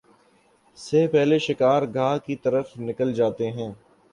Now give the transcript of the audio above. سے پہلے شکار گاہ کی طرف نکل جاتے ہیں